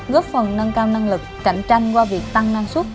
góp phần nâng cao năng lực cạnh tranh qua việc tăng năng suất